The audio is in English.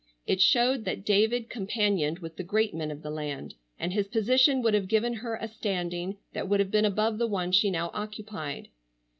It showed that David companioned with the great men of the land, and his position would have given her a standing that would have been above the one she now occupied.